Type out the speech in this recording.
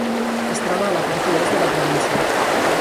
Es troba a la part oest de la província.